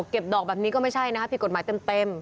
ดอกแบบนี้ก็ไม่ใช่นะคะผิดกฎหมายเต็ม